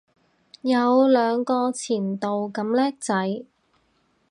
有兩個前度咁叻仔